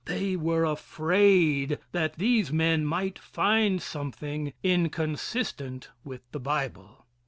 They were afraid that these men might find something inconsistent with the Bible.